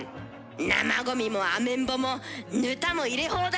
生ゴミもアメンボもぬたも入れ放題。